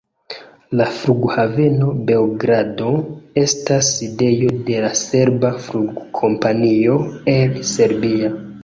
La Flughaveno Beogrado estas sidejo de la serba flugkompanio, Air Serbia.